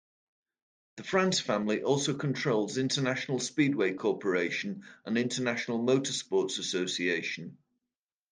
The France family also controls International Speedway Corporation and International Motor Sports Association.